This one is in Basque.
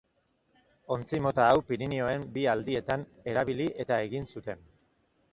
Ontzi mota hau Pirinioen bi aldietan erabili eta egin zuten.